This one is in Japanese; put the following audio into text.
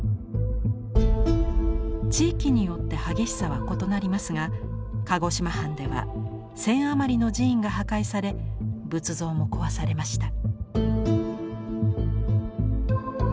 地域によって激しさは異なりますが鹿児島藩では１，０００余りの寺院が破壊され仏像も壊されました。